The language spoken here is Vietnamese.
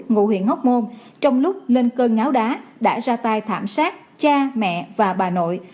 ngụ huyện hóc môn trong lúc lên cơn ngáo đá đã ra tay thảm sát cha mẹ và bà nội